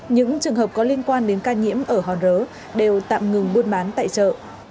những trường hợp có liên quan đến ca nhiễm ở hòn rớ đều tạm ngừng buôn bán tại chợ